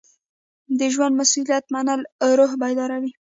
د ژوند مسؤلیت منل روح بیداروي.